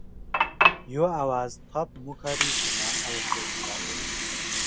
यो आवाज थप मुखरित हुन आवश्यक छ ।